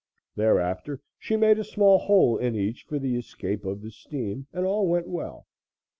Thereafter she made a small hole in each for the escape of the steam and all went well.